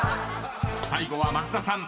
［最後は増田さん。